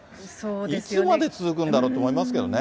いつまで続くんだろうと思いますけどね。